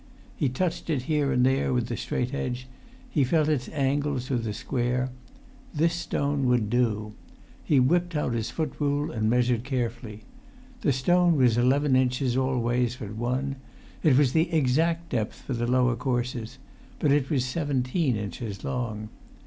He touched it here and there with the straight edge. He felt its angles with the square. This stone would do. He whipped out his foot rule and measured carefully. The stone was eleven inches all ways but one. It was the exact depth for the lower courses, but it was seventeen inches long.